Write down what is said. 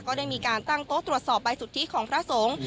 ก็ได้มีการตั้งโต๊ะตรวจสอบใบสุทธิของพระสงฆ์